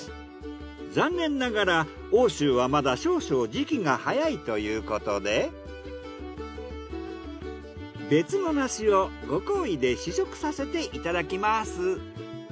残念ながら王秋はまだ少々時期が早いということで別の梨をご厚意で試食させていただきます。